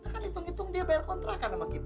kan di tong tong dia bayar kontrakan sama kita